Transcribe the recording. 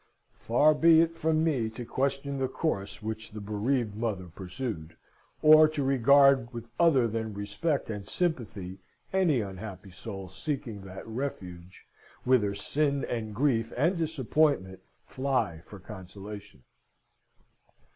Far be it from me to question the course which the bereaved mother pursued, or to regard with other than respect and sympathy any unhappy soul seeking that refuge whither sin and grief and disappointment fly for consolation.